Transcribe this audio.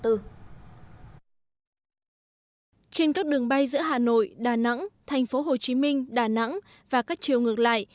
trên các đường bay giữa hà nội đà nẵng thành phố hồ chí minh đà nẵng và các chiều ngược lại